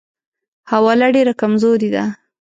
حواله ډېره کمزورې ده.